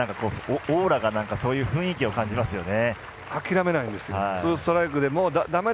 オーラがそういう雰囲気を感じますよね。